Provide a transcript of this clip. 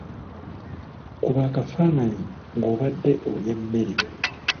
Kuba akafaananyi ng'obadde olya mmere.